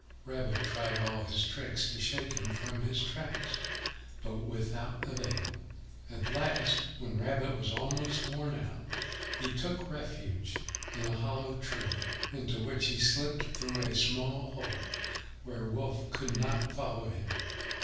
Rabbit tried all his tricks to shake him from his tracks, but without avail. At last, when Rabbit was almost worn out, he took refuge in a hollow tree, into which he slipped through a small hole, where Wolf could not follow him.